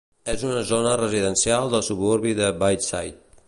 És una zona residencial del suburbi de Bayside.